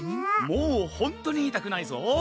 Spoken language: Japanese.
もうほんとにいたくないぞ！